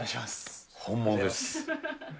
本物です。